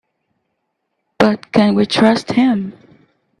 But can we trust him?